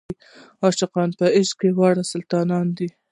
عاشقان په عشق کې واړه سلطانان دي.